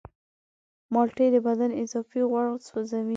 مالټې د بدن اضافي غوړ سوځوي.